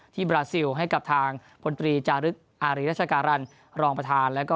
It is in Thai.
บราซิลให้กับทางพลตรีจารึกอารีรัชการันรองประธานแล้วก็